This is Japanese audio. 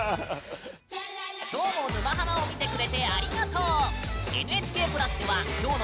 今日も「沼ハマ」を見てくれてありがとう！